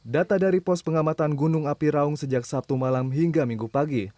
data dari pos pengamatan gunung api raung sejak sabtu malam hingga minggu pagi